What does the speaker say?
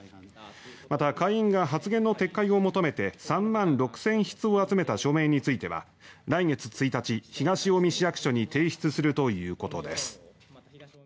また、会員が発言の撤回を求めて３万６０００筆を集めた署名については来月１日、東近江市役所に提出するということです。